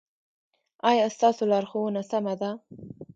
ایا ستاسو لارښوونه سمه ده؟